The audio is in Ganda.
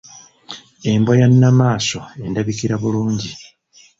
Embwa ya namaso endabikira bulungi.